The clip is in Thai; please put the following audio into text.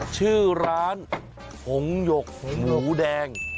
ชื่อร้านหงหยกผงหมูแดง